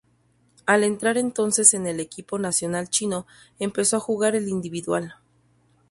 Al entrar entonces en el equipo nacional chino, empezó a jugar el individual.